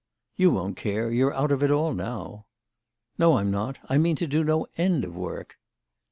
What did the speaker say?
"You won't care. You're out of it all now." "No, I'm not. I mean to do no end of work."